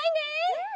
うん！